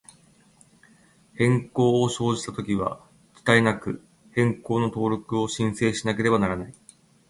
変更を生じたときは、遅滞なく、変更の登録を申請しなければならない。